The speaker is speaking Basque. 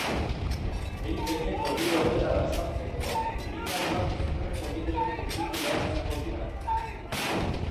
Behin-behineko bide honetara sartzeko, ibilgailuak ezkerreko bidetik hurbildu behar izango dira.